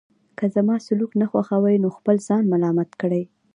که زما سلوک نه خوښوئ نو خپل ځان ملامت کړئ.